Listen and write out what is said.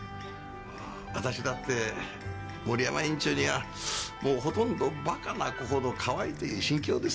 私だって森山院長にはもうほとんど馬鹿な子ほどかわいいという心境です。